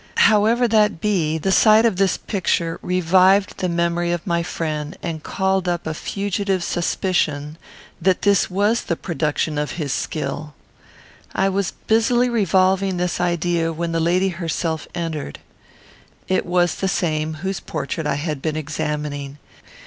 However that be, the sight of this picture revived the memory of my friend and called up a fugitive suspicion that this was the production of his skill. I was busily revolving this idea when the lady herself entered. It was the same whose portrait I had been examining.